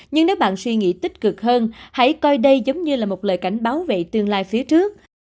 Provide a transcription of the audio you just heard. nhưng nếu bạn suy nghĩ tích cực hơn hãy coi đây giống như là một lời cảnh báo về tương lai phía trước